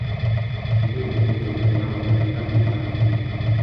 Sulit untuk mencegah orang mendapatkan manfaat ini.